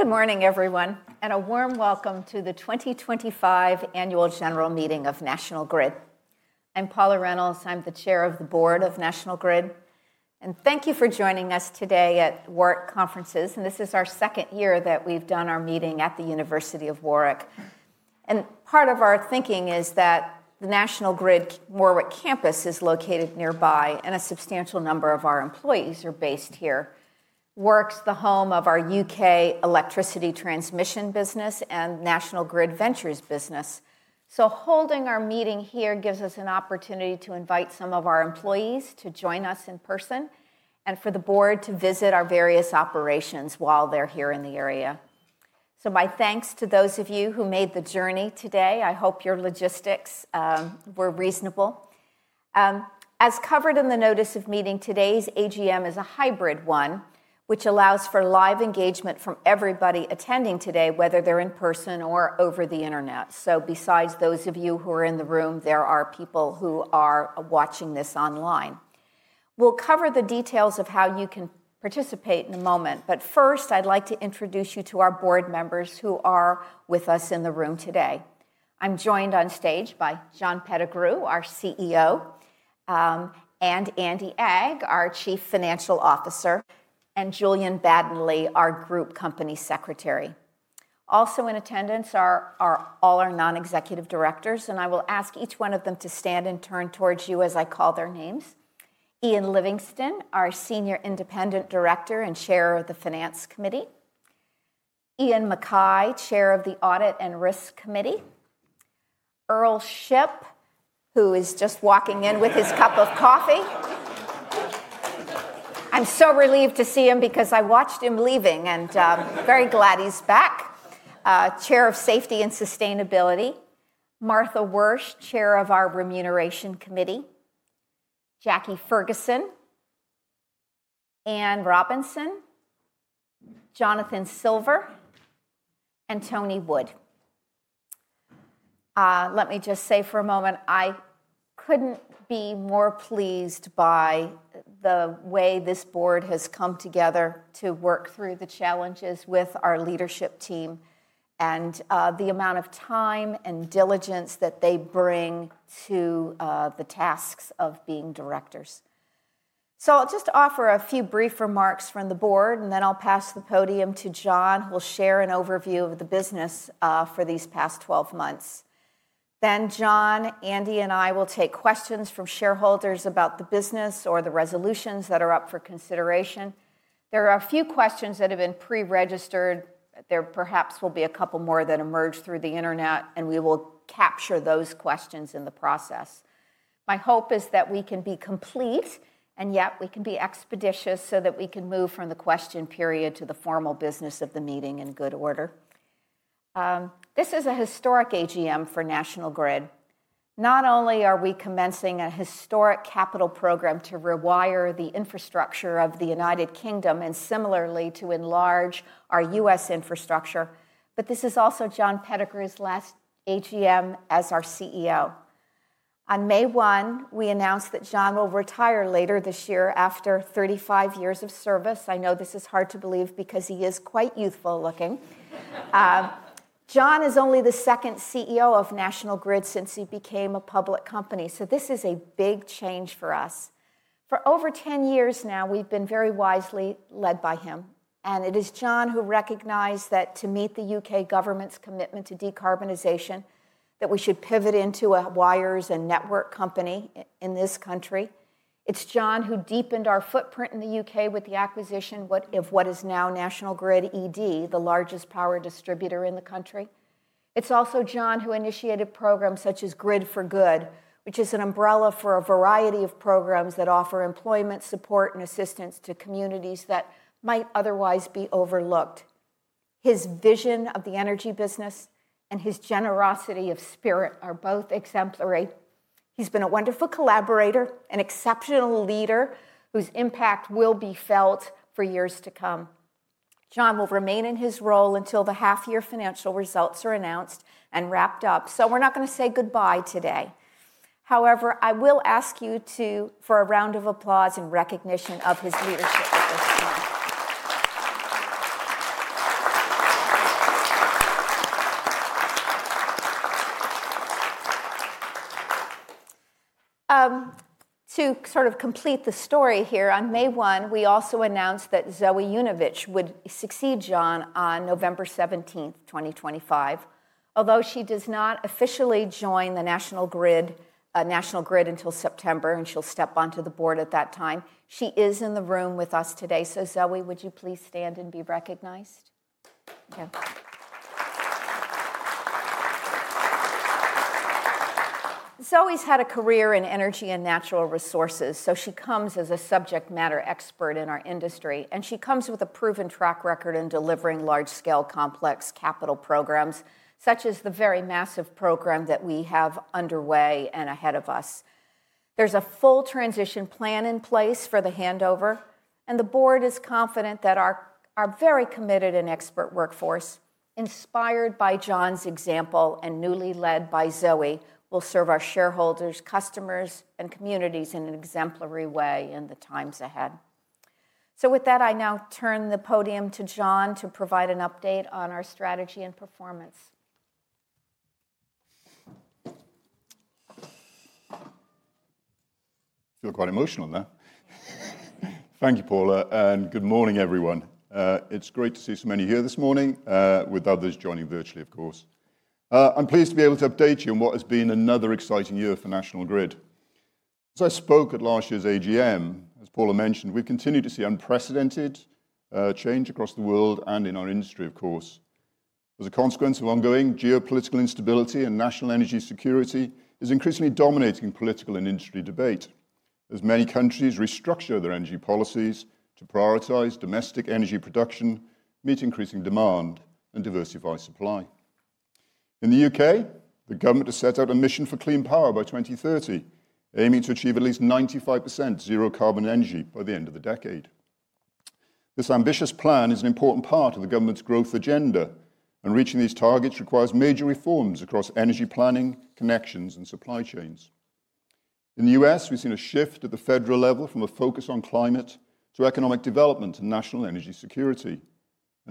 Good morning, everyone, and a warm welcome to the 2025 Annual General Meeting of National Grid. I'm Paula Reynolds. I'm the Chair of the Board of National Grid, and thank you for joining us today at Warwick Conferences. This is our second year that we've done our meeting at the University of Warwick. Part of our thinking is that the National Grid Warwick campus is located nearby, and a substantial number of our employees are based here. Warwick's the home of our U.K. electricity transmission business and National Grid Ventures business. Holding our meeting here gives us an opportunity to invite some of our employees to join us in person and for the board to visit our various operations while they're here in the area. My thanks to those of you who made the journey today. I hope your logistics were reasonable. As covered in the notice of meeting, today's AGM is a hybrid one, which allows for live engagement from everybody attending today, whether they're in person or over the internet. Besides those of you who are in the room, there are people who are watching this online. We'll cover the details of how you can participate in a moment. First, I'd like to introduce you to our board members who are with us in the room today. I'm joined on stage by John Pettigrew, our CEO, Andy Agg, our Chief Financial Officer, and Julian Baddeley, our Group Company Secretary. Also in attendance are all our non-executive directors, and I will ask each one of them to stand and turn towards you as I call their names. Ian Livingston, our Senior Independent Director and Chair of the Finance Committee. Iain Mackay, Chair of the Audit and Risk Committee. Earl Shipp, who is just walking in with his cup of coffee. I'm so relieved to see him because I watched him leaving, and I'm very glad he's back. Chair of Safety and Sustainability, Martha Wyrsch, Chair of our Remuneration Committee. Jacqui Ferguson. Anne Robinson. Jonathan Silver. And Tony Wood. Let me just say for a moment, I couldn't be more pleased by the way this board has come together to work through the challenges with our leadership team and the amount of time and diligence that they bring to the tasks of being directors. I'll just offer a few brief remarks from the board, and then I'll pass the podium to John, who will share an overview of the business for these past 12 months. Then John, Andy, and I will take questions from shareholders about the business or the resolutions that are up for consideration. There are a few questions that have been pre-registered. There perhaps will be a couple more that emerge through the internet, and we will capture those questions in the process. My hope is that we can be complete, and yet we can be expeditious so that we can move from the question period to the formal business of the meeting in good order. This is a historic AGM for National Grid. Not only are we commencing a historic capital program to rewire the infrastructure of the United Kingdom and similarly to enlarge our U.S. infrastructure, but this is also John Pettigrew's last AGM as our CEO. On May 1, we announced that John will retire later this year after 35 years of service. I know this is hard to believe because he is quite youthful looking. John is only the second CEO of National Grid since it became a public company. This is a big change for us. For over 10 years now, we've been very wisely led by him. It is John who recognized that to meet the U.K. government's commitment to decarbonization, we should pivot into a wires and network company in this country. It's John who deepened our footprint in the U.K. with the acquisition of what is now National Grid ED, the largest power distributor in the country. It's also John who initiated programs such as Grid for Good, which is an umbrella for a variety of programs that offer employment support and assistance to communities that might otherwise be overlooked. His vision of the energy business and his generosity of spirit are both exemplary. He's been a wonderful collaborator, an exceptional leader whose impact will be felt for years to come. John will remain in his role until the half-year financial results are announced and wrapped up. We are not going to say goodbye today. However, I will ask you for a round of applause in recognition of his leadership this time. To sort of complete the story here, on May 1, we also announced that Zoë Yujnovich would succeed John on November 17th, 2025. Although she does not officially join National Grid until September, and she will step onto the board at that time, she is in the room with us today. Zoë, would you please stand and be recognized? Zoë's had a career in energy and natural resources, so she comes as a subject matter expert in our industry. She comes with a proven track record in delivering large-scale complex capital programs such as the very massive program that we have underway and ahead of us. There is a full transition plan in place for the handover, and the board is confident that our very committed and expert workforce, inspired by John's example and newly led by Zoë, will serve our shareholders, customers, and communities in an exemplary way in the times ahead. I now turn the podium to John to provide an update on our strategy and performance. Feel quite emotional now. Thank you, Paula. Good morning, everyone. It is great to see so many here this morning, with others joining virtually, of course. I am pleased to be able to update you on what has been another exciting year for National Grid. As I spoke at last year's AGM, as Paula mentioned, we have continued to see unprecedented change across the world and in our industry, of course. As a consequence of ongoing geopolitical instability, national energy security is increasingly dominating political and industry debate as many countries restructure their energy policies to prioritize domestic energy production, meet increasing demand, and diversify supply. In the U.K., the government has set out a mission for clean power by 2030, aiming to achieve at least 95% zero-carbon energy by the end of the decade. This ambitious plan is an important part of the government's growth agenda, and reaching these targets requires major reforms across energy planning, connections, and supply chains. In the U.S., we've seen a shift at the federal level from a focus on climate to economic development and national energy security.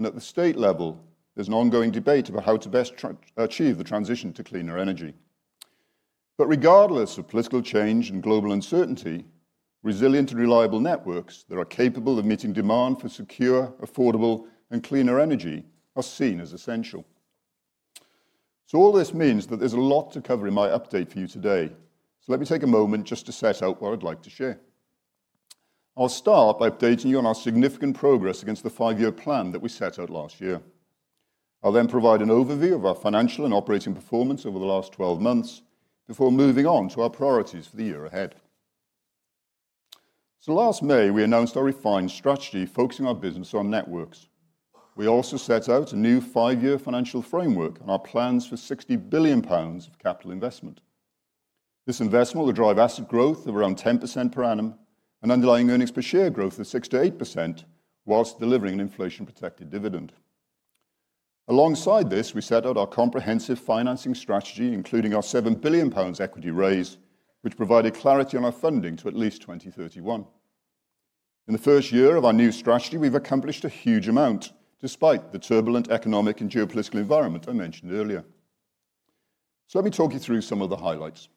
At the state level, there's an ongoing debate about how to best achieve the transition to cleaner energy. Regardless of political change and global uncertainty, resilient and reliable networks that are capable of meeting demand for secure, affordable, and cleaner energy are seen as essential. All this means that there's a lot to cover in my update for you today. Let me take a moment just to set out what I'd like to share. I'll start by updating you on our significant progress against the five-year plan that we set out last year. I'll then provide an overview of our financial and operating performance over the last 12 months before moving on to our priorities for the year ahead. Last May, we announced our refined strategy, focusing our business on networks. We also set out a new five-year financial framework and our plans for 60 billion pounds of capital investment. This investment will drive asset growth of around 10% per annum and underlying earnings per share growth of 6%-8%, whilst delivering an inflation-protected dividend. Alongside this, we set out our comprehensive financing strategy, including our 7 billion pounds equity raise, which provided clarity on our funding to at least 2031. In the first year of our new strategy, we've accomplished a huge amount despite the turbulent economic and geopolitical environment I mentioned earlier. Let me talk you through some of the highlights.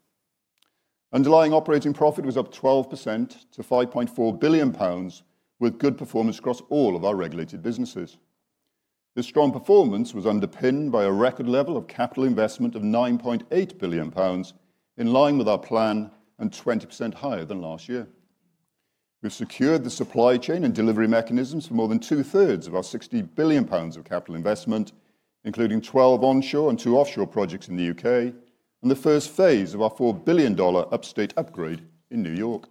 Underlying operating profit was up 12% to 5.4 billion pounds, with good performance across all of our regulated businesses. This strong performance was underpinned by a record level of capital investment of 9.8 billion pounds, in line with our plan and 20% higher than last year. We've secured the supply chain and delivery mechanisms for more than 2/3 of our 60 billion pounds of capital investment, including 12 onshore and two offshore projects in the U.K. and the first phase of our $4 billion upstate upgrade in New York.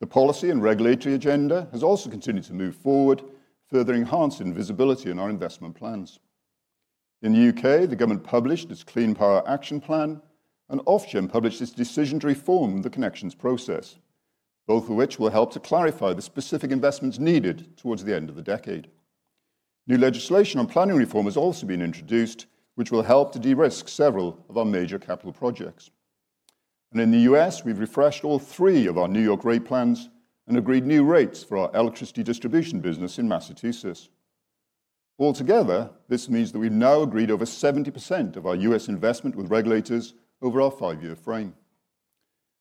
The policy and regulatory agenda has also continued to move forward, further enhancing visibility in our investment plans. In the U.K., the government published its Clean Power Action Plan, and Ofgem published its decision to reform the connections process. Both of which will help to clarify the specific investments needed towards the end of the decade. New legislation on planning reform has also been introduced, which will help to de-risk several of our major capital projects. In the U.S., we've refreshed all three of our New York Rate Plans and agreed new rates for our electricity distribution business in Massachusetts. Altogether, this means that we've now agreed over 70% of our U.S. investment with regulators over our five-year frame.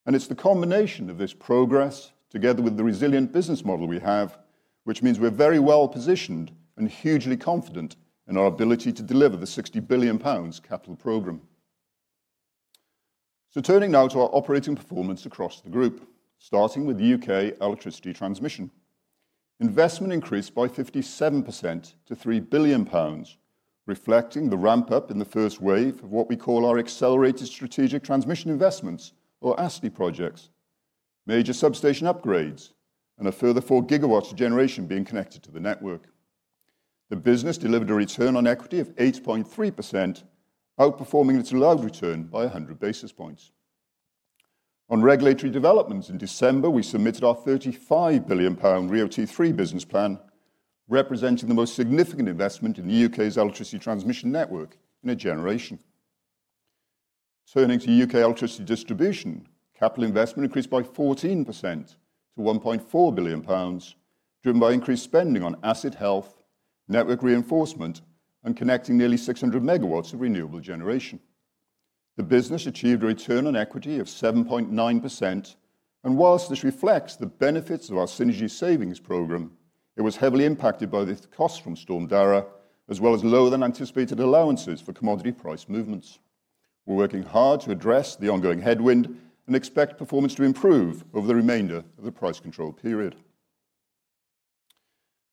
It is the combination of this progress, together with the resilient business model we have, which means we're very well positioned and hugely confident in our ability to deliver the 60 billion pounds capital program. Turning now to our operating performance across the group, starting with U.K. electricity transmission. Investment increased by 57% to 3 billion pounds, reflecting the ramp-up in the first wave of what we call our accelerated strategic transmission investments, or ASTI projects, major substation upgrades, and a further four GW of generation being connected to the network. The business delivered a return on equity of 8.3%, outperforming its allowed return by 100 basis points. On regulatory developments, in December, we submitted our 35 billion pound RIIO-T3 business plan, representing the most significant investment in the U.K.'s electricity transmission network in a generation. Turning to U.K. electricity distribution, capital investment increased by 14% to 1.4 billion pounds, driven by increased spending on asset health, network reinforcement, and connecting nearly 600 MW of renewable generation. The business achieved a return on equity of 7.9%. Whilst this reflects the benefits of our synergy savings program, it was heavily impacted by the costs from Storm Darragh, as well as lower-than-anticipated allowances for commodity price movements. We're working hard to address the ongoing headwind and expect performance to improve over the remainder of the price control period.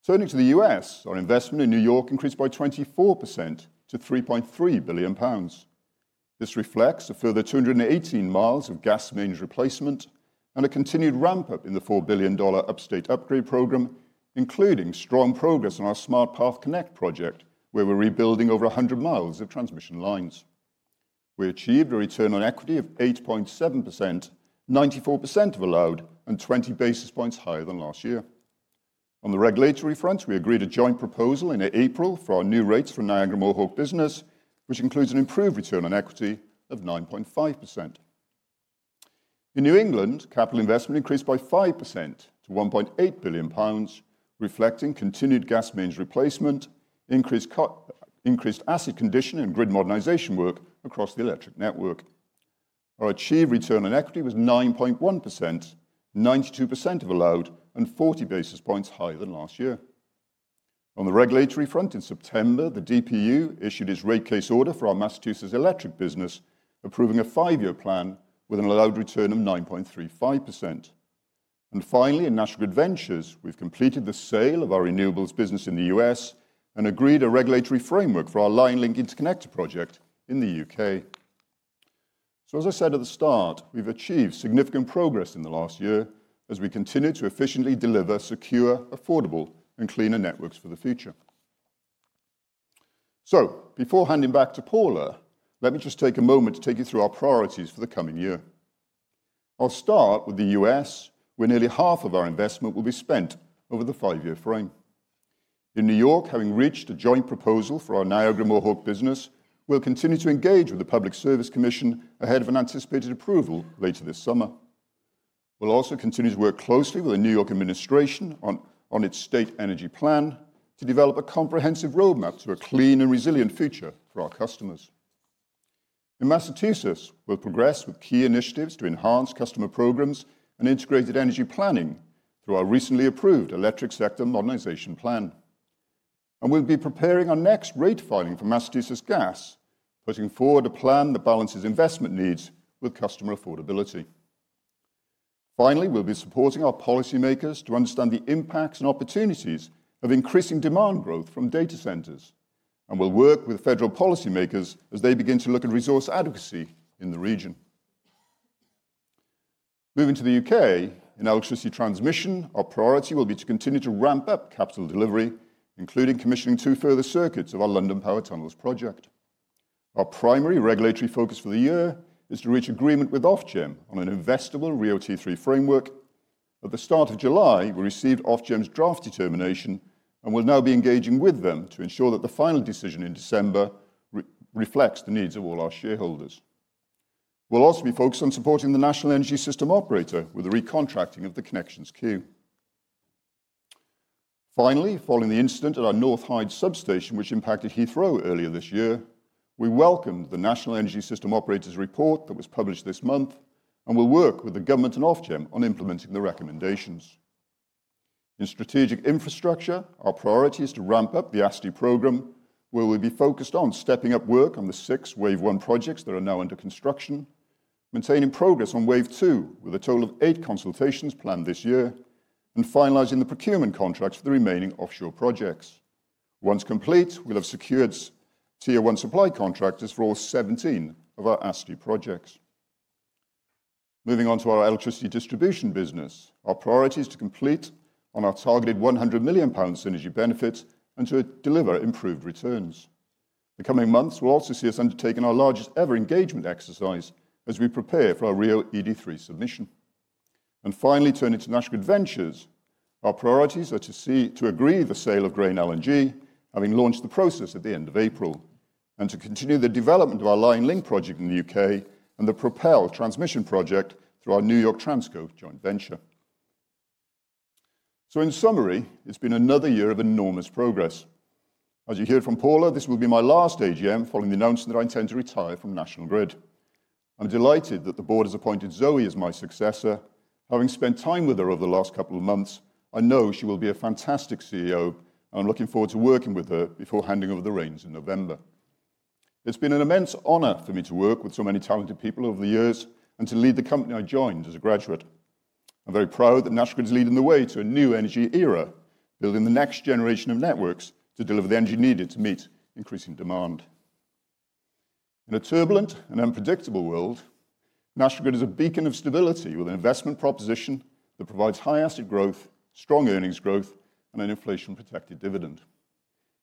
Turning to the U.S., our investment in New York increased by 24% to 3.3 billion pounds. This reflects a further 218 mi of gas mains replacement and a continued ramp-up in the $4 billion upstate upgrade program, including strong progress on our Smart Path Connect project, where we're rebuilding over 100 mi of transmission lines. We achieved a return on equity of 8.7%, 94% of allowed, and 20 basis points higher than last year. On the regulatory front, we agreed a joint proposal in April for our new rates for Niagara Mohawk business, which includes an improved return on equity of 9.5%. In New England, capital investment increased by 5% to 1.8 billion pounds, reflecting continued gas mains replacement, increased asset condition, and grid modernization work across the electric network. Our achieved return on equity was 9.1%, 92% of allowed, and 40 basis points higher than last year. On the regulatory front, in September, the DPU issued its rate case order for our Massachusetts electric business, approving a five-year plan with an allowed return of 9.35%. Finally, in National Grid Ventures, we've completed the sale of our renewables business in the U.S. and agreed a regulatory framework for our line-link interconnector project in the U.K.. As I said at the start, we've achieved significant progress in the last year as we continue to efficiently deliver secure, affordable, and cleaner networks for the future. Before handing back to Paula, let me just take a moment to take you through our priorities for the coming year. I'll start with the U.S., where nearly half of our investment will be spent over the five-year frame. In New York, having reached a joint proposal for our Niagara Mohawk business, we'll continue to engage with the Public Service Commission ahead of an anticipated approval later this summer. We'll also continue to work closely with the New York administration on its state energy plan to develop a comprehensive roadmap to a clean and resilient future for our customers. In Massachusetts, we'll progress with key initiatives to enhance customer programs and integrated energy planning through our recently approved electric sector modernization plan. We'll be preparing our next rate filing for Massachusetts Gas, putting forward a plan that balances investment needs with customer affordability. Finally, we'll be supporting our policymakers to understand the impacts and opportunities of increasing demand growth from data centers, and we'll work with federal policymakers as they begin to look at resource adequacy in the region. Moving to the U.K., in electricity transmission, our priority will be to continue to ramp up capital delivery, including commissioning two further circuits of our London Power Tunnels project. Our primary regulatory focus for the year is to reach agreement with Ofgem on an investable RIIO-T3 framework. At the start of July, we received Ofgem's draft determination and will now be engaging with them to ensure that the final decision in December reflects the needs of all our shareholders. We'll also be focused on supporting the National Energy System Operator with the recontracting of the connections queue. Finally, following the incident at our North Hyde substation, which impacted Heathrow earlier this year, we welcomed the National Energy System Operator's report that was published this month and will work with the government and Ofgem on implementing the recommendations. In strategic infrastructure, our priority is to ramp up the ASTI program, where we'll be focused on stepping up work on the six Wave 1 projects that are now under construction, maintaining progress on Wave 2 with a total of eight consultations planned this year, and finalizing the procurement contracts for the remaining offshore projects. Once complete, we'll have secured Tier 1 supply contractors for all 17 of our ASTI projects. Moving on to our electricity distribution business, our priority is to complete on our targeted 100 million pounds synergy benefit and to deliver improved returns. The coming months will also see us undertaking our largest-ever engagement exercise as we prepare for our real ED3 submission. Finally, turning to National Grid Ventures, our priorities are to agree the sale of Grain LNG, having launched the process at the end of April, and to continue the development of our line-link project in the U.K. and the Propel transmission project through our New York Transco joint venture. In summary, it has been another year of enormous progress. As you heard from Paula, this will be my last AGM following the announcement that I intend to retire from National Grid. I am delighted that the board has appointed Zoë as my successor. Having spent time with her over the last couple of months, I know she will be a fantastic CEO, and I am looking forward to working with her before handing over the reins in November. It's been an immense honor for me to work with so many talented people over the years and to lead the company I joined as a graduate. I'm very proud that National Grid is leading the way to a new energy era, building the next generation of networks to deliver the energy needed to meet increasing demand. In a turbulent and unpredictable world, National Grid is a beacon of stability with an investment proposition that provides high-asset growth, strong earnings growth, and an inflation-protected dividend.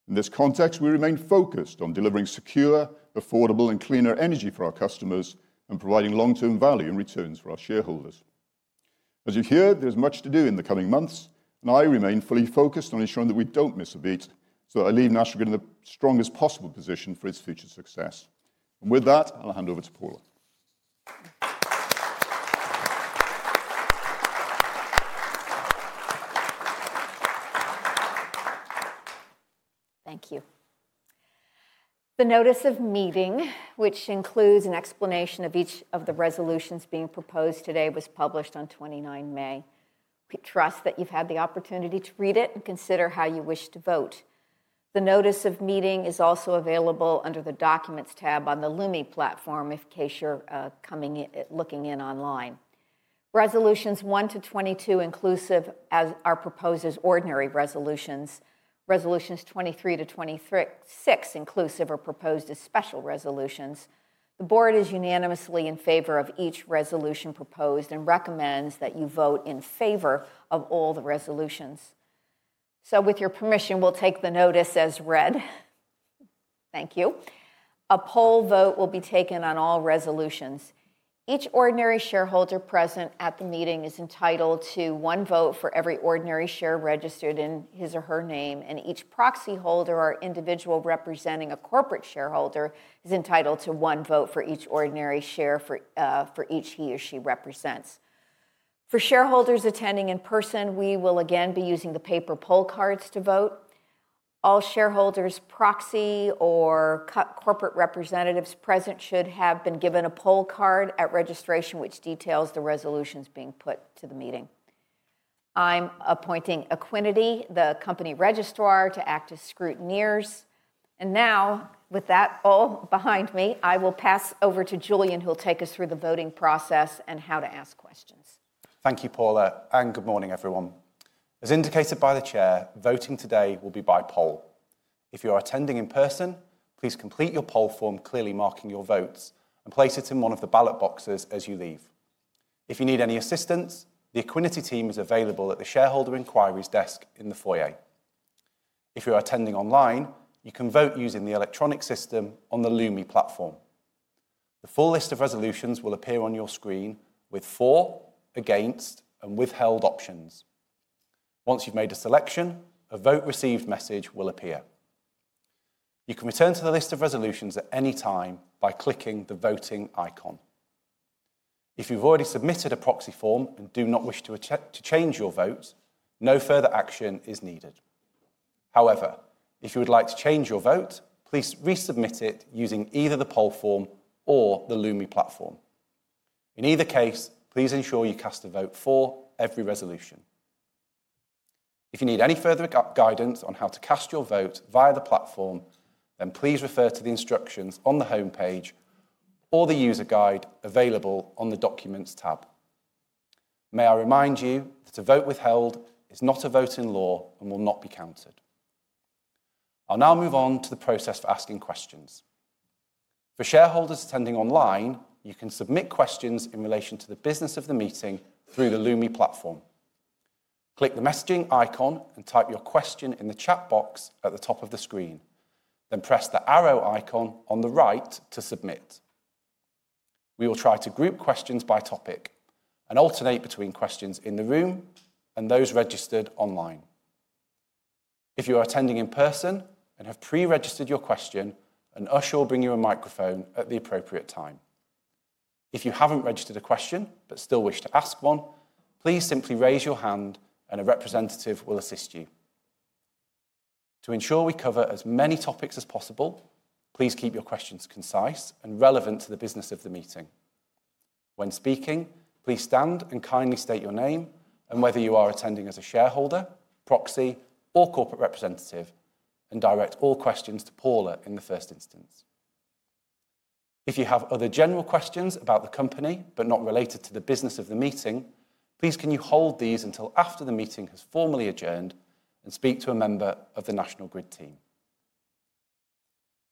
In this context, we remain focused on delivering secure, affordable, and cleaner energy for our customers and providing long-term value and returns for our shareholders. As you hear, there's much to do in the coming months, and I remain fully focused on ensuring that we don't miss a beat so that I leave National Grid in the strongest possible position for its future success. With that, I'll hand over to Paula. Thank you. The Notice of Meeting, which includes an explanation of each of the resolutions being proposed today, was published on 29 May. We trust that you've had the opportunity to read it and consider how you wish to vote. The Notice of Meeting is also available under the Documents tab on the Lumi platform in case you're looking in online. Resolutions 1-22 inclusive are proposed as ordinary resolutions. Resolutions 23-26 inclusive are proposed as special resolutions. The board is unanimously in favor of each resolution proposed and recommends that you vote in favor of all the resolutions. With your permission, we'll take the notice as read. Thank you. A poll vote will be taken on all resolutions. Each ordinary shareholder present at the meeting is entitled to one vote for every ordinary share registered in his or her name, and each proxy holder or individual representing a corporate shareholder is entitled to one vote for each ordinary share for each he or she represents. For shareholders attending in person, we will again be using the paper poll cards to vote. All shareholders, proxy, or corporate representatives present should have been given a poll card at registration, which details the resolutions being put to the meeting. I'm appointing Equiniti, the company registrar, to act as scrutineers. Now, with that all behind me, I will pass over to Julian, who'll take us through the voting process and how to ask questions. Thank you, Paula, and good morning, everyone. As indicated by the Chair, voting today will be by poll. If you are attending in person, please complete your poll form clearly marking your votes and place it in one of the ballot boxes as you leave. If you need any assistance, the Equiniti team is available at the shareholder inquiries desk in the foyer. If you are attending online, you can vote using the electronic system on the Lumi platform. The full list of resolutions will appear on your screen with for, against, and withheld options. Once you've made a selection, a vote received message will appear. You can return to the list of resolutions at any time by clicking the voting icon. If you've already submitted a proxy form and do not wish to change your vote, no further action is needed. However, if you would like to change your vote, please resubmit it using either the poll form or the Lumi platform. In either case, please ensure you cast a vote for every resolution. If you need any further guidance on how to cast your vote via the platform, then please refer to the instructions on the homepage or the user guide available on the Documents tab. May I remind you that a vote withheld is not a vote in law and will not be counted. I'll now move on to the process for asking questions. For shareholders attending online, you can submit questions in relation to the business of the meeting through the LUMI platform. Click the messaging icon and type your question in the chat box at the top of the screen, then press the arrow icon on the right to submit. We will try to group questions by topic and alternate between questions in the room and those registered online. If you are attending in person and have pre-registered your question, an usher will bring you a microphone at the appropriate time. If you have not registered a question but still wish to ask one, please simply raise your hand and a representative will assist you. To ensure we cover as many topics as possible, please keep your questions concise and relevant to the business of the meeting. When speaking, please stand and kindly state your name and whether you are attending as a shareholder, proxy, or corporate representative, and direct all questions to Paula in the first instance. If you have other general questions about the company but not related to the business of the meeting, please can you hold these until after the meeting has formally adjourned and speak to a member of the National Grid team.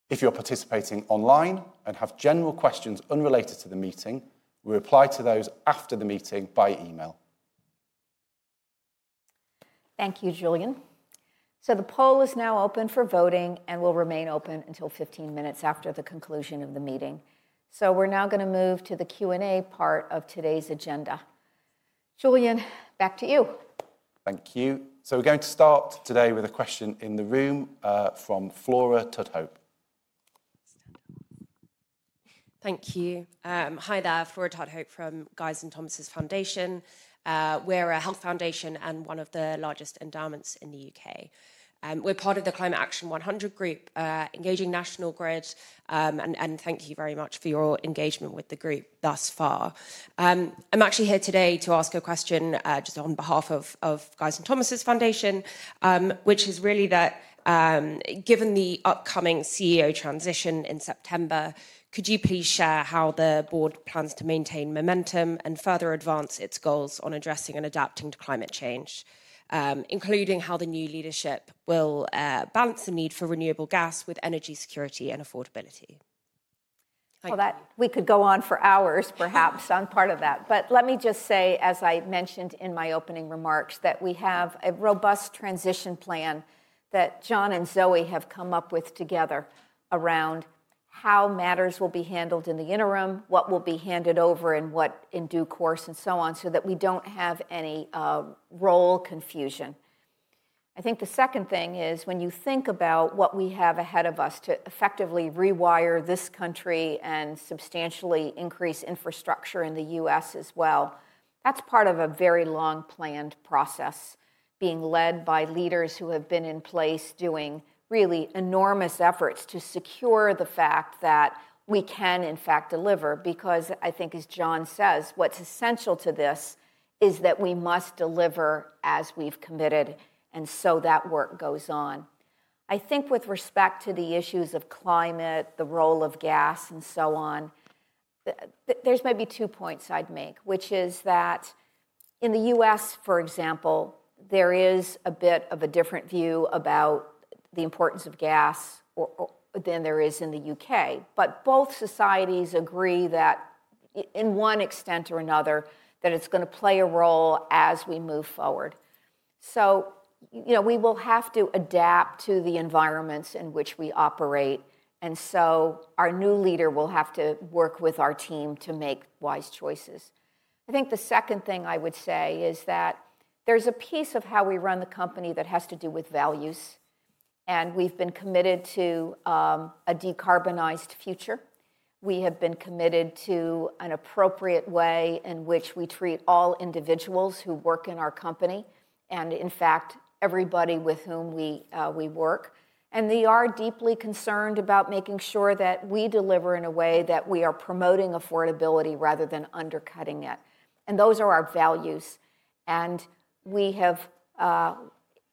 If you're participating online and have general questions unrelated to the meeting, we reply to those after the meeting by email. Thank you, Julian. The poll is now open for voting and will remain open until 15 minutes after the conclusion of the meeting. We're now going to move to the Q&A part of today's agenda. Julian, back to you. Thank you. We're going to start today with a question in the room from Flora Tudhope. Thank you. Hi there, Flora Tudhope from Guy's and St Thomas' Foundation. We're a health foundation and one of the largest endowments in the U.K. We're part of the Climate Action 100 group, engaging National Grid, and thank you very much for your engagement with the group thus far. I'm actually here today to ask a question just on behalf of Guy's and St Thomas' Foundation, which is really that. Given the upcoming CEO transition in September, could you please share how the board plans to maintain momentum and further advance its goals on addressing and adapting to climate change, including how the new leadership will balance the need for renewable gas with energy security and affordability? That we could go on for hours, perhaps, on part of that. Let me just say, as I mentioned in my opening remarks, that we have a robust transition plan that John and Zoë have come up with together around how matters will be handled in the interim, what will be handed over, and what in due course, and so on, so that we do not have any role confusion. I think the second thing is when you think about what we have ahead of us to effectively rewire this country and substantially increase infrastructure in the U.S. as well, that is part of a very long-planned process. Being led by leaders who have been in place doing really enormous efforts to secure the fact that we can, in fact, deliver. Because I think, as John says, what is essential to this is that we must deliver as we have committed, and so that work goes on. I think with respect to the issues of climate, the role of gas, and so on, there are maybe two points I would make, which is that in the U.S., for example, there is a bit of a different view about the importance of gas than there is in the U.K.. Both societies agree that. In one extent or another, that it's going to play a role as we move forward. We will have to adapt to the environments in which we operate, and our new leader will have to work with our team to make wise choices. I think the second thing I would say is that there's a piece of how we run the company that has to do with values, and we've been committed to a decarbonized future. We have been committed to an appropriate way in which we treat all individuals who work in our company and, in fact, everybody with whom we work. We are deeply concerned about making sure that we deliver in a way that we are promoting affordability rather than undercutting it. Those are our values. We have.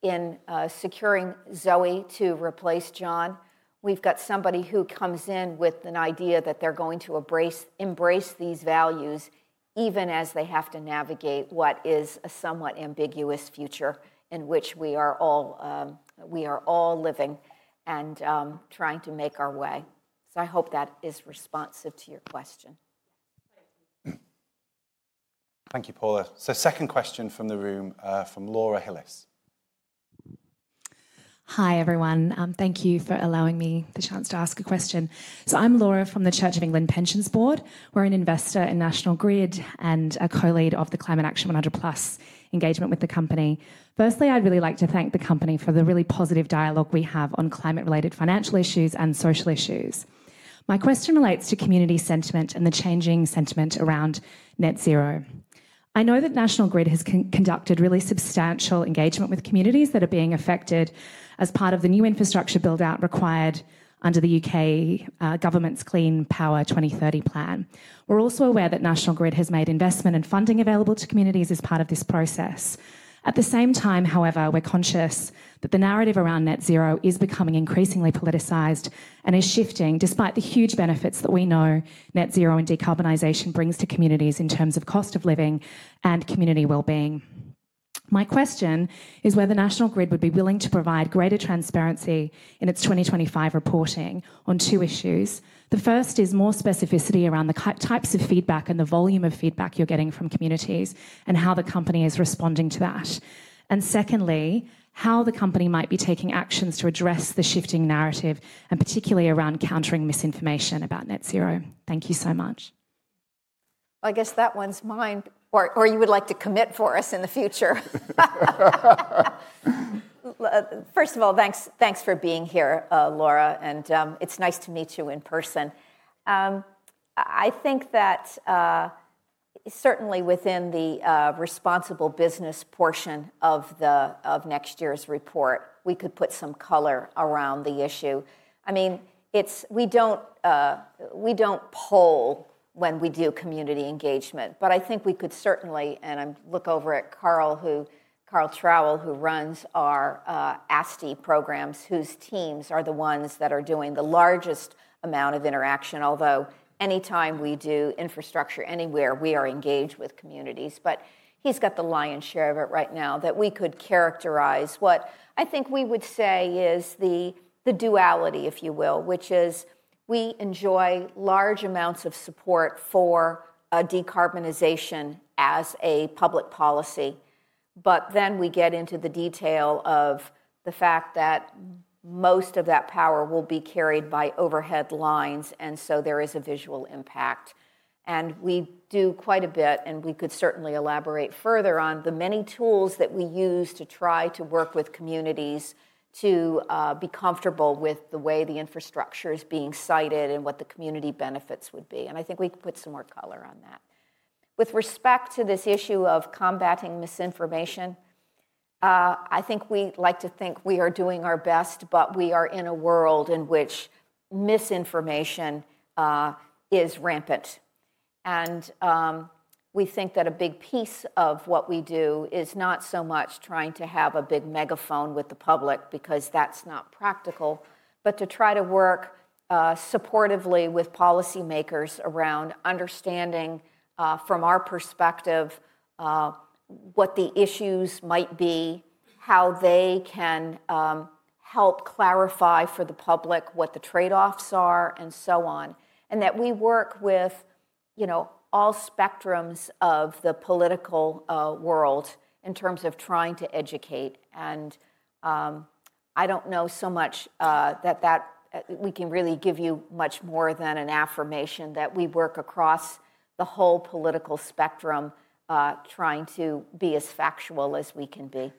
In securing Zoë to replace John, we've got somebody who comes in with an idea that they're going to embrace these values even as they have to navigate what is a somewhat ambiguous future in which we are all living and trying to make our way. I hope that is responsive to your question. Thank you, Paula. Second question from the room from Laura Hillis. Hi, everyone. Thank you for allowing me the chance to ask a question. I'm Laura from the Church of England Pensions Board. We're an investor in National Grid and a co-lead of the Climate Action 100+ engagement with the company. Firstly, I'd really like to thank the company for the really positive dialogue we have on climate-related financial issues and social issues. My question relates to community sentiment and the changing sentiment around net zero. I know that National Grid has conducted really substantial engagement with communities that are being affected as part of the new infrastructure build-out required under the U.K. government's Clean Power 2030 plan. We're also aware that National Grid has made investment and funding available to communities as part of this process. At the same time, however, we're conscious that the narrative around net zero is becoming increasingly politicized and is shifting despite the huge benefits that we know net zero and decarbonization brings to communities in terms of cost of living and community well-being. My question is whether National Grid would be willing to provide greater transparency in its 2025 reporting on two issues. The first is more specificity around the types of feedback and the volume of feedback you're getting from communities and how the company is responding to that. Secondly, how the company might be taking actions to address the shifting narrative, and particularly around countering misinformation about net zero. Thank you so much. I guess that one's mine, or you would like to commit for us in the future. First of all, thanks for being here, Laura, and it's nice to meet you in person. I think that certainly within the responsible business portion of next year's report, we could put some color around the issue. I mean, we do not poll when we do community engagement, but I think we could certainly, and I look over at Carl Trowell, who runs our ASTI programs, whose teams are the ones that are doing the largest amount of interaction, although anytime we do infrastructure anywhere, we are engaged with communities. He's got the lion's share of it right now that we could characterize what I think we would say is the duality, if you will, which is we enjoy large amounts of support for decarbonization as a public policy, but then we get into the detail of the fact that most of that power will be carried by overhead lines, and so there is a visual impact. We do quite a bit, and we could certainly elaborate further on the many tools that we use to try to work with communities to be comfortable with the way the infrastructure is being sited and what the community benefits would be. I think we could put some more color on that. With respect to this issue of combating misinformation, I think we like to think we are doing our best, but we are in a world in which misinformation. Is rampant. We think that a big piece of what we do is not so much trying to have a big megaphone with the public because that's not practical, but to try to work supportively with policymakers around understanding from our perspective what the issues might be, how they can help clarify for the public what the trade-offs are, and so on. We work with all spectrums of the political world in terms of trying to educate. I do not know so much that we can really give you much more than an affirmation that we work across the whole political spectrum trying to be as factual as we can be.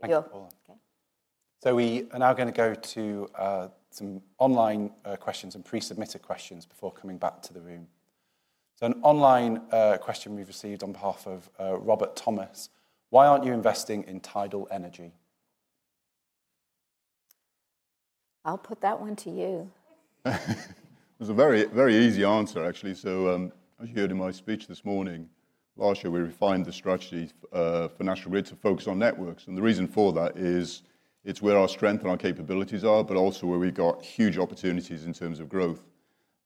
Thank you. We are now going to go to some online questions and pre-submitted questions before coming back to the room. An online question we have received on behalf of Robert Thomas, why are you not investing in tidal energy? I will put that one to you. It is a very easy answer, actually. As you heard in my speech this morning, last year we refined the strategy for National Grid to focus on networks. The reason for that is it is where our strength and our capabilities are, but also where we have huge opportunities in terms of growth.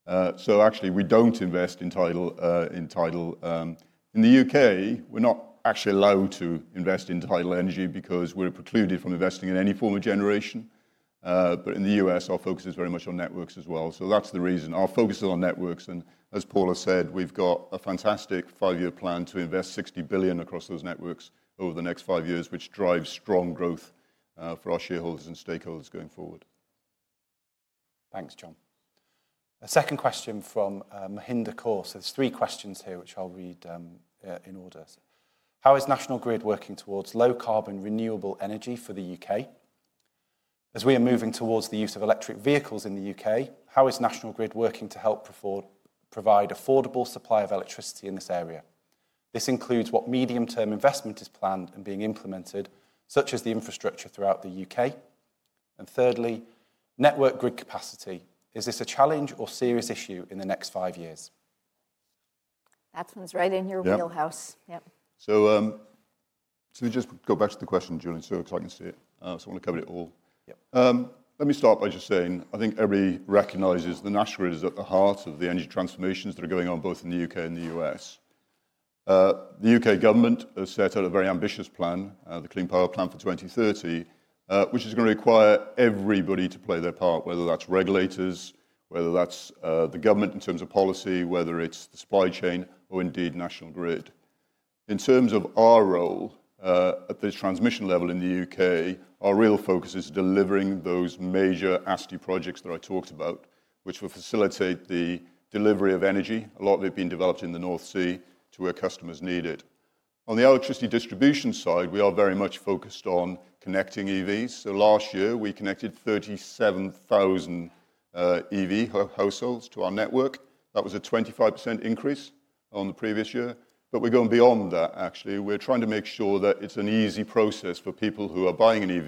Actually, we do not invest in tidal. In the U.K., we are not actually allowed to invest in tidal energy because we are precluded from investing in any form of generation. In the U.S., our focus is very much on networks as well. That is the reason. Our focus is on networks. As Paula said, we have a fantastic five-year plan to invest 60 billion across those networks over the next five years, which drives strong growth for our shareholders and stakeholders going forward. Thanks, John. A second question from Mahinda Corp. There are three questions here, which I will read in order. How is National Grid working towards low-carbon renewable energy for the U.K.? As we are moving towards the use of electric vehicles in the U.K., how is National Grid working to help provide affordable supply of electricity in this area? This includes what medium-term investment is planned and being implemented, such as the infrastructure throughout the U.K. Thirdly, network grid capacity. Is this a challenge or serious issue in the next five years? That one is right in your wheelhouse. Yep. Let me just go back to the question, Julian, so I can see it. I want to cover it all. Let me start by just saying, I think everyone recognizes that National Grid is at the heart of the energy transformations that are going on both in the U.K. and the U.S. The U.K. government has set out a very ambitious plan, the Clean Power Plan for 2030, which is going to require everybody to play their part, whether that's regulators, whether that's the government in terms of policy, whether it's the supply chain, or indeed National Grid. In terms of our role at the transmission level in the U.K., our real focus is delivering those major ASTI projects that I talked about, which will facilitate the delivery of energy. A lot of it being developed in the North Sea to where customers need it. On the electricity distribution side, we are very much focused on connecting EVs. Last year, we connected 37,000 EV households to our network. That was a 25% increase on the previous year. We are going beyond that, actually. We are trying to make sure that it is an easy process for people who are buying an EV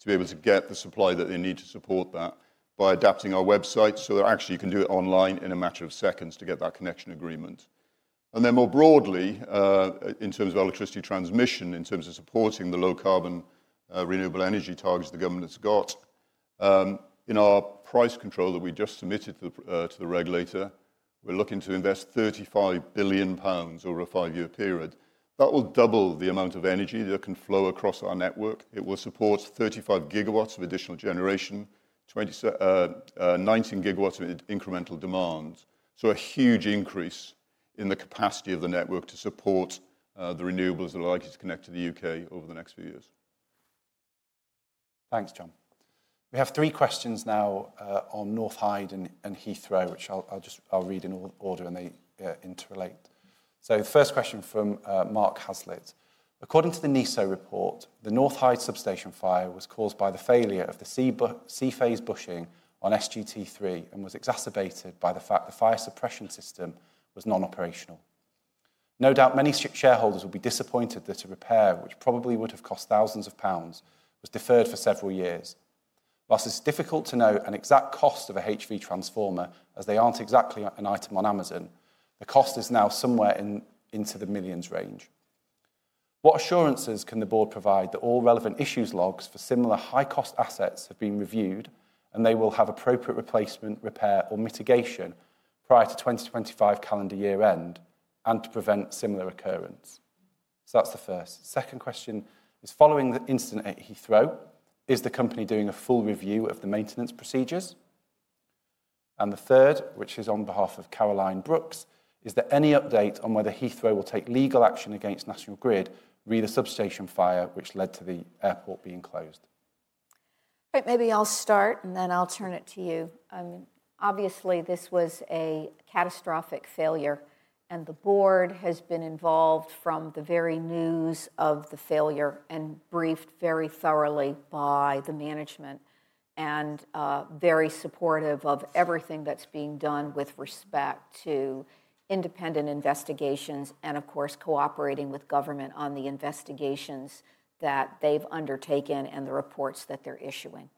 to be able to get the supply that they need to support that by adapting our website so that actually you can do it online in a matter of seconds to get that connection agreement. More broadly, in terms of electricity transmission, in terms of supporting the low-carbon renewable energy targets the government's got, in our price control that we just submitted to the regulator, we are looking to invest 35 billion pounds over a five-year period. That will double the amount of energy that can flow across our network. It will support 35 GW of additional generation, 19 GW of incremental demand. A huge increase in the capacity of the network to support the renewables that are likely to connect to the U.K. over the next few years. Thanks, John. We have three questions now on North Hyde and Heathrow, which I'll read in order and they interrelate. First question from Mark Haslit. According to the NESO report, the North Hyde substation fire was caused by the failure of the C-phase bushing on SGT3 and was exacerbated by the fact the fire suppression system was non-operational. No doubt many shareholders will be disappointed that a repair, which probably would have cost thousands of GBP, was deferred for several years. Whilst it's difficult to know an exact cost of a HV transformer, as they aren't exactly an item on Amazon, the cost is now somewhere into the millions range. What assurances can the board provide that all relevant issues logs for similar high-cost assets have been reviewed and they will have appropriate replacement, repair, or mitigation prior to 2025 calendar year end and to prevent similar occurrence? That is the first. Second question is, following the incident at Heathrow, is the company doing a full review of the maintenance procedures? The third, which is on behalf of Caroline Brooks, is there any update on whether Heathrow will take legal action against National Grid, regarding the substation fire, which led to the airport being closed? Maybe I'll start and then I'll turn it to you. Obviously, this was a catastrophic failure, and the board has been involved from the very news of the failure and briefed very thoroughly by the management. Very supportive of everything that's being done with respect to. Independent investigations and, of course, cooperating with government on the investigations that they've undertaken and the reports that they're issuing.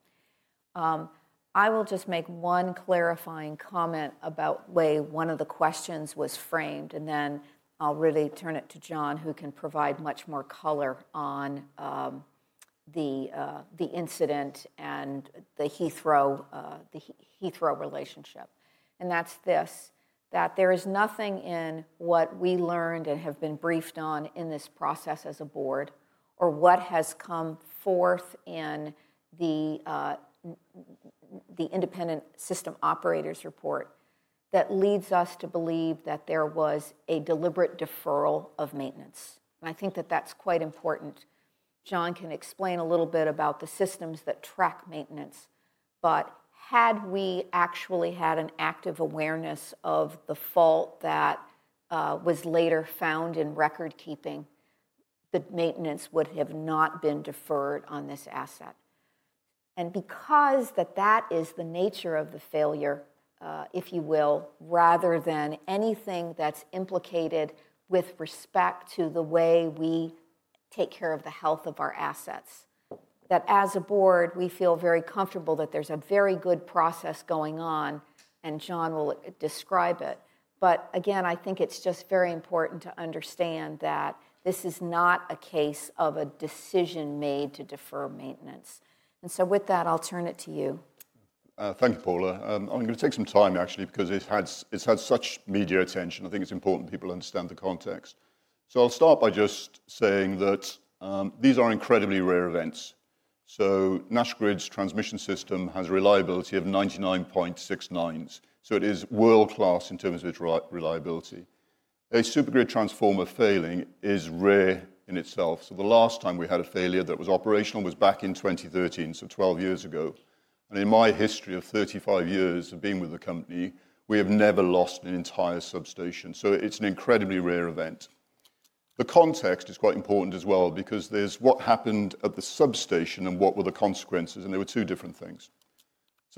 I will just make one clarifying comment about the way one of the questions was framed, and then I'll really turn it to John, who can provide much more color on the incident and the Heathrow relationship. And that's this, that there is nothing in what we learned and have been briefed on in this process as a board or what has come forth in the Independent System Operator's Report that leads us to believe that there was a deliberate deferral of maintenance. I think that that's quite important. John can explain a little bit about the systems that track maintenance, but had we actually had an active awareness of the fault that was later found in record-keeping, the maintenance would have not been deferred on this asset. Because that is the nature of the failure, if you will, rather than anything that's implicated with respect to the way we take care of the health of our assets, as a board, we feel very comfortable that there's a very good process going on, and John will describe it. I think it's just very important to understand that this is not a case of a decision made to defer maintenance. With that, I'll turn it to you. Thank you, Paula. I'm going to take some time, actually, because it's had such media attention. I think it's important people understand the context. I'll start by just saying that these are incredibly rare events. National Grid's transmission system has a reliability of 99.69%. It is world-class in terms of its reliability. A supergrid transformer failing is rare in itself. The last time we had a failure that was operational was back in 2013, so 12 years ago. In my history of 35 years of being with the company, we have never lost an entire substation. It is an incredibly rare event. The context is quite important as well because there is what happened at the substation and what were the consequences. They were two different things.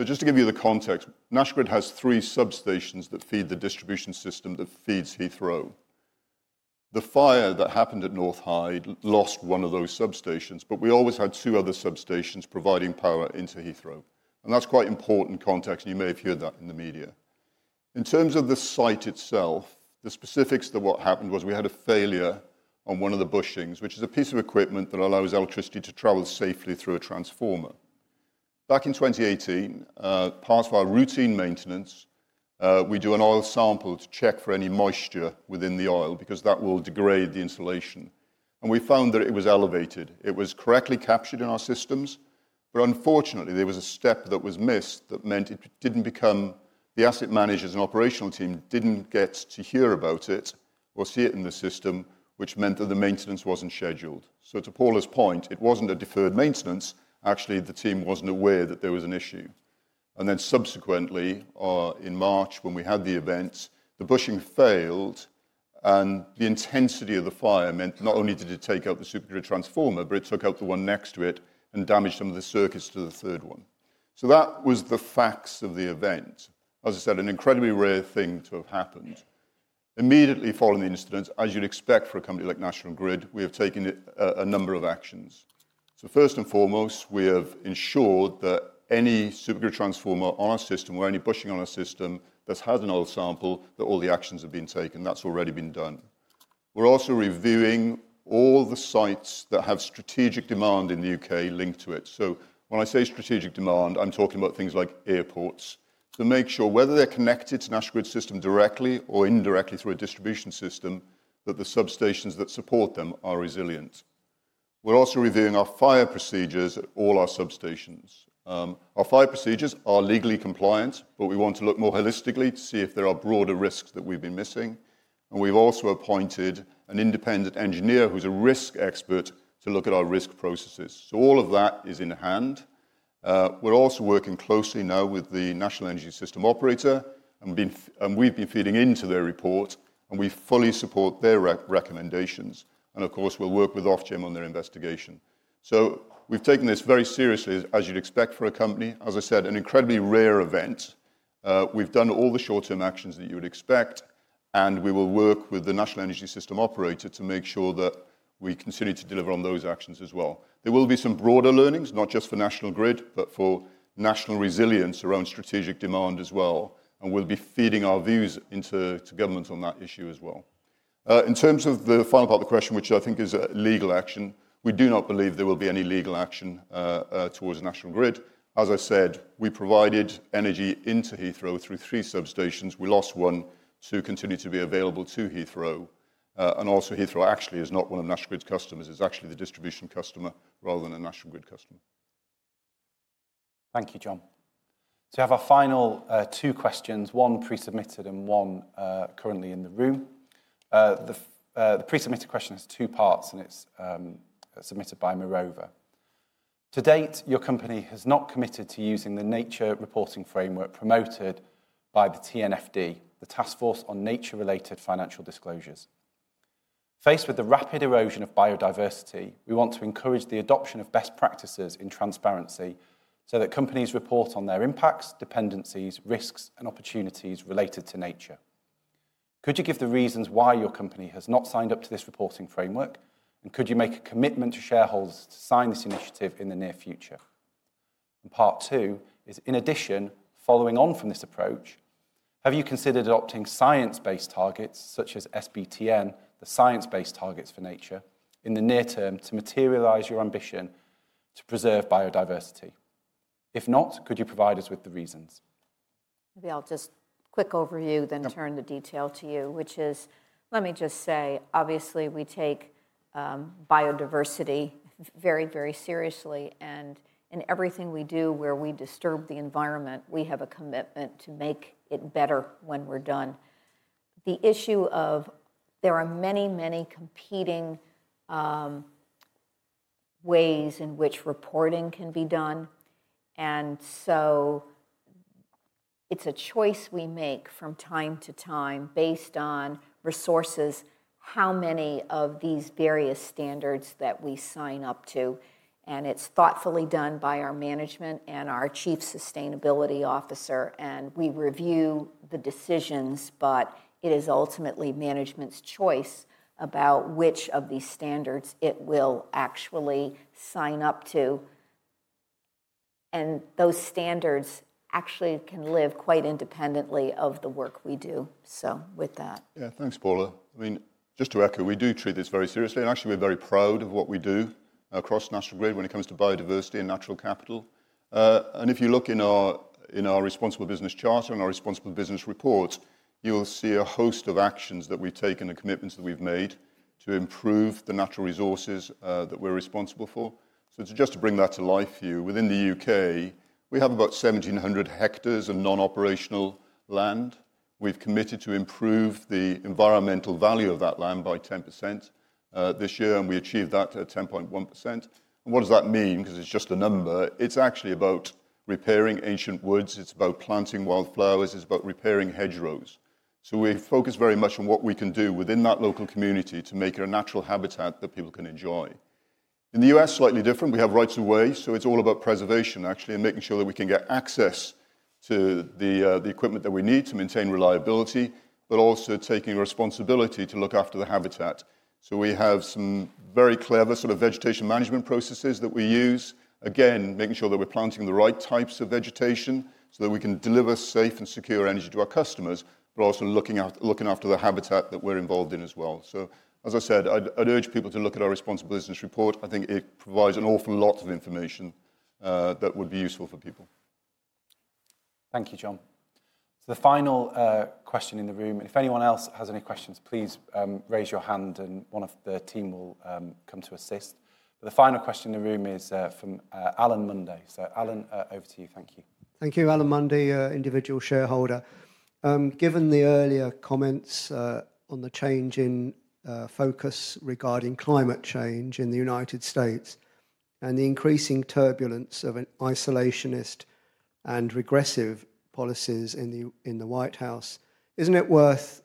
Just to give you the context, National Grid has three substations that feed the distribution system that feeds Heathrow. The fire that happened at North Hyde lost one of those substations, but we always had two other substations providing power into Heathrow. That is quite important context. You may have heard that in the media. In terms of the site itself, the specifics of what happened was we had a failure on one of the bushings, which is a piece of equipment that allows electricity to travel safely through a transformer. Back in 2018, part of our routine maintenance, we do an oil sample to check for any moisture within the oil because that will degrade the insulation. We found that it was elevated. It was correctly captured in our systems, but unfortunately, there was a step that was missed that meant it did not become the asset managers and operational team did not get to hear about it or see it in the system, which meant that the maintenance was not scheduled. To Paula's point, it was not a deferred maintenance. Actually, the team was not aware that there was an issue. Then subsequently, in March, when we had the event, the bushing failed, and the intensity of the fire meant not only did it take out the supergrid transformer, but it took out the one next to it and damaged some of the circuits to the third one. That was the facts of the event. As I said, an incredibly rare thing to have happened. Immediately following the incident, as you'd expect for a company like National Grid, we have taken a number of actions. First and foremost, we have ensured that any supergrid transformer on our system, or any bushing on our system that has an oil sample, that all the actions have been taken. That's already been done. We're also reviewing all the sites that have strategic demand in the U.K. linked to it. When I say strategic demand, I'm talking about things like airports. To make sure whether they're connected to National Grid's system directly or indirectly through a distribution system, that the substations that support them are resilient. We're also reviewing our fire procedures at all our substations. Our fire procedures are legally compliant, but we want to look more holistically to see if there are broader risks that we've been missing. We have also appointed an independent engineer who's a risk expert to look at our risk processes. All of that is in hand. We're also working closely now with the National Energy System Operator, and we've been feeding into their report, and we fully support their recommendations. Of course, we'll work with Ofgem on their investigation. We've taken this very seriously, as you'd expect for a company. As I said, an incredibly rare event. We've done all the short-term actions that you would expect, and we will work with the National Energy System Operator to make sure that we continue to deliver on those actions as well. There will be some broader learnings, not just for National Grid, but for national resilience around strategic demand as well. We'll be feeding our views into government on that issue as well. In terms of the final part of the question, which I think is a legal action, we do not believe there will be any legal action towards National Grid. As I said, we provided energy into Heathrow through three substations. We lost one to continue to be available to Heathrow. Also, Heathrow actually is not one of National Grid's customers. It's actually the distribution customer rather than a National Grid customer. Thank you, John. I have our final two questions, one pre-submitted and one currently in the room. The pre-submitted question has two parts, and it's submitted by Merover. To date, your company has not committed to using the nature reporting framework promoted by the TNFD, the Taskforce on Nature-related Financial Disclosures. Faced with the rapid erosion of biodiversity, we want to encourage the adoption of best practices in transparency so that companies report on their impacts, dependencies, risks, and opportunities related to nature. Could you give the reasons why your company has not signed up to this reporting framework? Could you make a commitment to shareholders to sign this initiative in the near future? Part two is, in addition, following on from this approach, have you considered adopting science-based targets such as SBTN, the Science-Based Targets for Nature, in the near term to materialize your ambition to preserve biodiversity? If not, could you provide us with the reasons? Maybe I'll just quick over you, then turn the detail to you, which is, let me just say, obviously, we take biodiversity very, very seriously. In everything we do where we disturb the environment, we have a commitment to make it better when we're done. The issue of there are many, many competing ways in which reporting can be done. It's a choice we make from time to time based on resources, how many of these various standards that we sign up to. It's thoughtfully done by our management and our Chief Sustainability Officer. We review the decisions, but it is ultimately management's choice about which of these standards it will actually sign up to. Those standards actually can live quite independently of the work we do. With that. Yeah, thanks, Paula. I mean, just to echo, we do treat this very seriously. Actually, we are very proud of what we do across National Grid when it comes to biodiversity and natural capital. If you look in our Responsible Business Charter and our Responsible Business Reports, you will see a host of actions that we have taken and commitments that we have made to improve the natural resources that we are responsible for. Just to bring that to life for you, within the U.K., we have about 1,700 hectares of non-operational land. We have committed to improve the environmental value of that land by 10% this year, and we achieved that at 10.1%. What does that mean? Because it is just a number. It is actually about repairing ancient woods. It is about planting wildflowers. It is about repairing hedgerows. We focus very much on what we can do within that local community to make it a natural habitat that people can enjoy. In the U.S., slightly different. We have rights of way. It is all about preservation, actually, and making sure that we can get access to the equipment that we need to maintain reliability, but also taking responsibility to look after the habitat. We have some very clever sort of vegetation management processes that we use, again, making sure that we are planting the right types of vegetation so that we can deliver safe and secure energy to our customers, but also looking after the habitat that we are involved in as well. As I said, I would urge people to look at our Responsible Business Report. I think it provides an awful lot of information that would be useful for people. Thank you, John. The final question in the room. If anyone else has any questions, please raise your hand, and one of the team will come to assist. The final question in the room is from Alan Munday. Alan, over to you. Thank you. Thank you, Alan Munday, individual shareholder. Given the earlier comments on the change in focus regarding climate change in the United States and the increasing turbulence of isolationist and regressive policies in the White House, is it not worth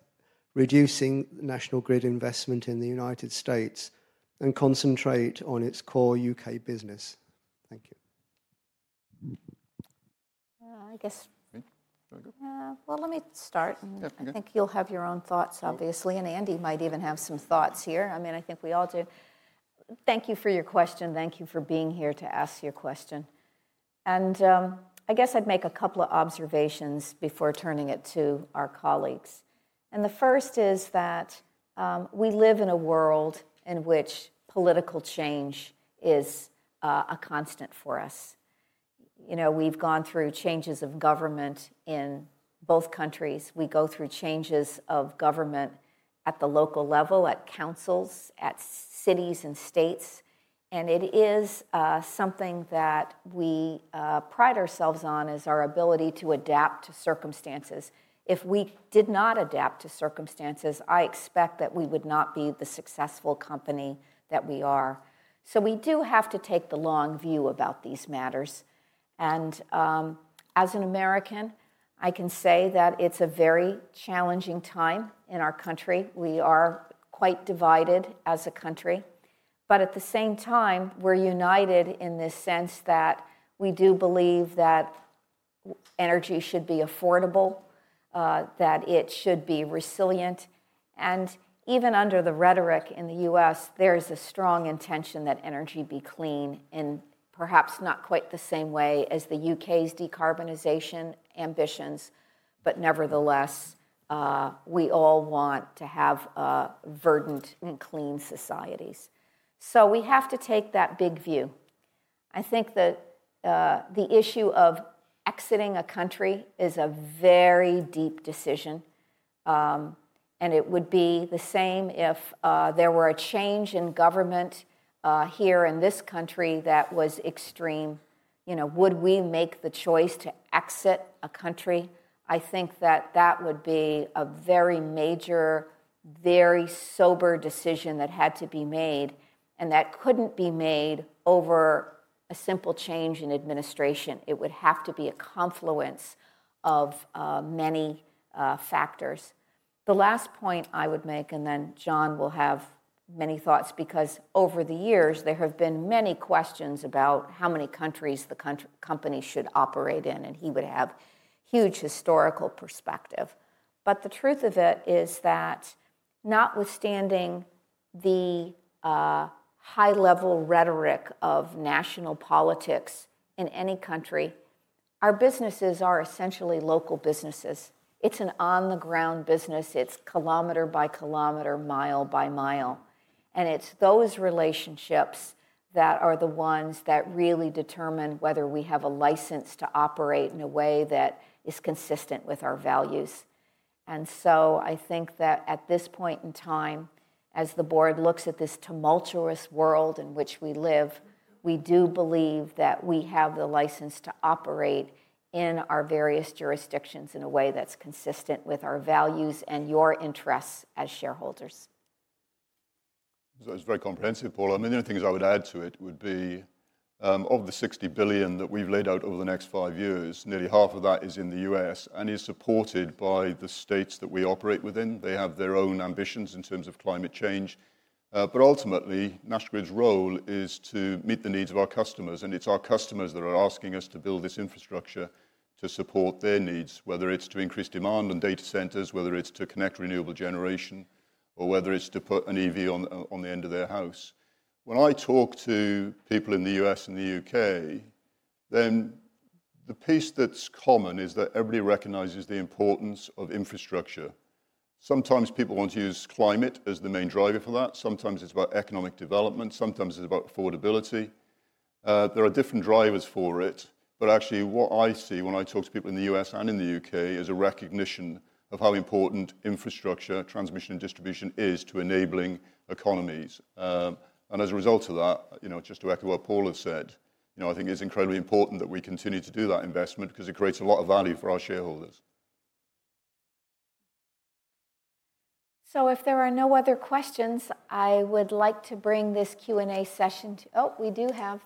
reducing National Grid investment in the United States and concentrating on its core U.K. business? Thank you. I guess. Let me start. I think you will have your own thoughts, obviously, and Andy might even have some thoughts here. I mean, I think we all do. Thank you for your question. Thank you for being here to ask your question. I guess I'd make a couple of observations before turning it to our colleagues. The first is that we live in a world in which political change is a constant for us. We've gone through changes of government in both countries. We go through changes of government at the local level, at councils, at cities and states. It is something that we pride ourselves on, our ability to adapt to circumstances. If we did not adapt to circumstances, I expect that we would not be the successful company that we are. We do have to take the long view about these matters. As an American, I can say that it's a very challenging time in our country. We are quite divided as a country. At the same time, we're united in the sense that we do believe that energy should be affordable. That it should be resilient. Even under the rhetoric in the U.S., there is a strong intention that energy be clean in perhaps not quite the same way as the U.K.'s decarbonization ambitions, but nevertheless. We all want to have verdant and clean societies. We have to take that big view, I think. The issue of exiting a country is a very deep decision. It would be the same if there were a change in government here in this country that was extreme. Would we make the choice to exit a country? I think that would be a very major, very sober decision that had to be made, and that could not be made over a simple change in administration. It would have to be a confluence of many factors. The last point I would make, and then John will have many thoughts, because over the years, there have been many questions about how many countries the company should operate in, and he would have huge historical perspective. The truth of it is that, notwithstanding the high-level rhetoric of national politics in any country, our businesses are essentially local businesses. It is an on-the-ground business. It is kilometer by kilometer, mile by mile. It is those relationships that are the ones that really determine whether we have a license to operate in a way that is consistent with our values. I think that at this point in time, as the board looks at this tumultuous world in which we live, we do believe that we have the license to operate in our various jurisdictions in a way that is consistent with our values and your interests as shareholders. It's very comprehensive, Paula. I mean, the only things I would add to it would be. Of the 60 billion that we've laid out over the next five years, nearly half of that is in the U.S. and is supported by the states that we operate within. They have their own ambitions in terms of climate change. Ultimately, National Grid's role is to meet the needs of our customers. It's our customers that are asking us to build this infrastructure to support their needs, whether it's to increase demand on data centers, whether it's to connect renewable generation, or whether it's to put an EV on the end of their house. When I talk to people in the U.S. and the U.K., the piece that's common is that everybody recognizes the importance of infrastructure. Sometimes people want to use climate as the main driver for that. Sometimes it is about economic development. Sometimes it is about affordability. There are different drivers for it. Actually, what I see when I talk to people in the U.S. and in the U.K. is a recognition of how important infrastructure, transmission, and distribution is to enabling economies. As a result of that, just to echo what Paula said, I think it is incredibly important that we continue to do that investment because it creates a lot of value for our shareholders. If there are no other questions, I would like to bring this Q&A session to—oh, we do have.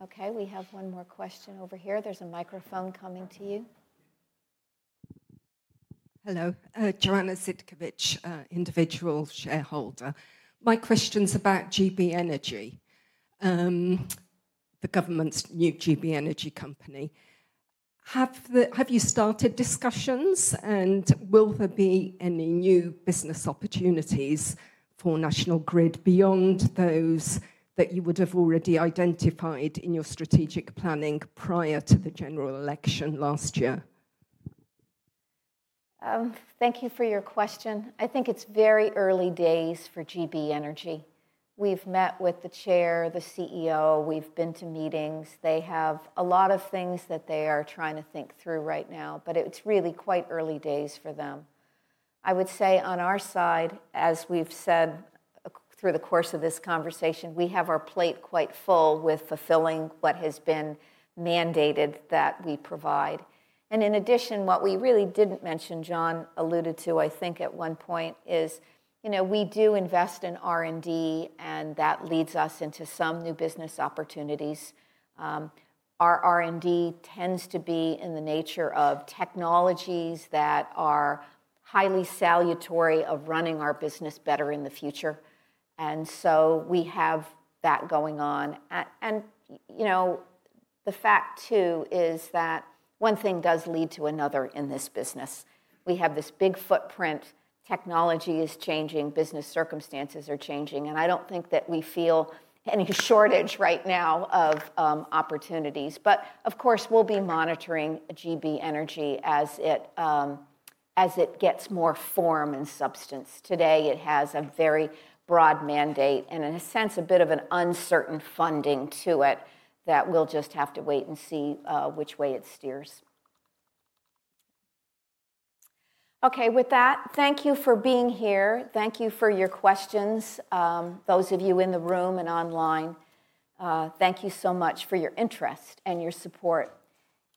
Okay, we have one more question over here. There is a microphone coming to you. Hello. Joanna Sitkovich, individual shareholder. My question is about GB Energy, the government's new GB Energy company. Have you started discussions, and will there be any new business opportunities for National Grid beyond those that you would have already identified in your strategic planning prior to the general election last year? Thank you for your question. I think it is very early days for GB Energy. We have met with the chair, the CEO. We have been to meetings. They have a lot of things that they are trying to think through right now, but it is really quite early days for them. I would say on our side, as we have said through the course of this conversation, we have our plate quite full with fulfilling what has been mandated that we provide. In addition, what we really did not mention, John alluded to, I think at one point, is we do invest in R&D, and that leads us into some new business opportunities. Our R&D tends to be in the nature of technologies that are highly salutory of running our business better in the future. We have that going on. The fact, too, is that one thing does lead to another in this business. We have this big footprint. Technology is changing. Business circumstances are changing. I do not think that we feel any shortage right now of opportunities. Of course, we will be monitoring GB Energy as it gets more form and substance. Today, it has a very broad mandate and, in a sense, a bit of an uncertain funding to it that we will just have to wait and see which way it steers. Okay, with that, thank you for being here. Thank you for your questions, those of you in the room and online. Thank you so much for your interest and your support.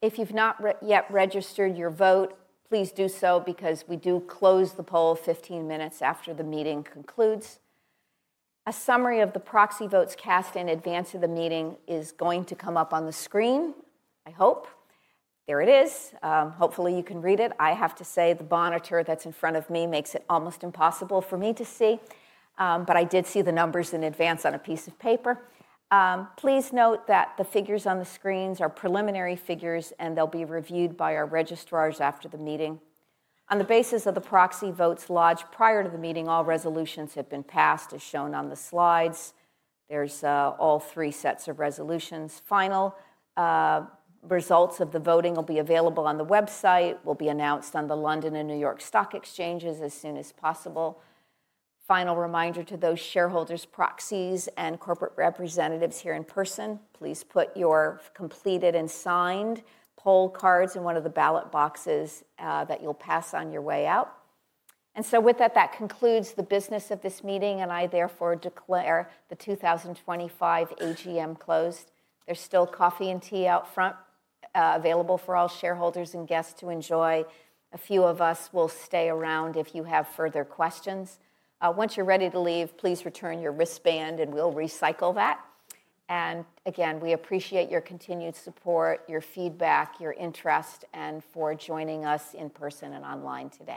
If you've not yet registered your vote, please do so because we do close the poll 15 minutes after the meeting concludes. A summary of the proxy votes cast in advance of the meeting is going to come up on the screen, I hope. There it is. Hopefully, you can read it. I have to say the monitor that's in front of me makes it almost impossible for me to see. I did see the numbers in advance on a piece of paper. Please note that the figures on the screens are preliminary figures, and they'll be reviewed by our registrars after the meeting. On the basis of the proxy votes lodged prior to the meeting, all resolutions have been passed, as shown on the slides. There's all three sets of resolutions. Final. Results of the voting will be available on the website. It will be announced on the London and New York Stock Exchanges as soon as possible. Final reminder to those shareholders, proxies, and corporate representatives here in person, please put your completed and signed poll cards in one of the ballot boxes that you'll pass on your way out. With that, that concludes the business of this meeting, and I therefore declare the 2025 AGM closed. There is still coffee and tea out front available for all shareholders and guests to enjoy. A few of us will stay around if you have further questions. Once you're ready to leave, please return your wristband, and we'll recycle that. Again, we appreciate your continued support, your feedback, your interest, and for joining us in person and online today.